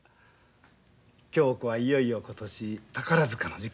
恭子はいよいよ今年宝塚の受験やな。